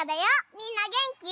みんなげんき？